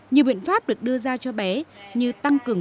nhiều biện pháp được đưa ra cho bé như tăng cường